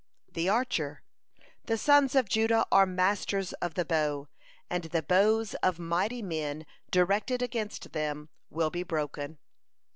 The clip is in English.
The Archer: "The sons of Judah are masters of the bow, and the bows of mighty men directed against them will be broken."